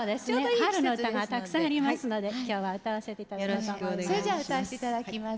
春の歌がたくさんありますので今日は歌わせていただこうと思います。